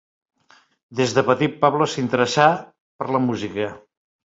Des de petit Pablo s'interessà per la música.